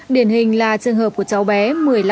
điển hình là trường hợp của cháu bé một mươi năm tháng tuổi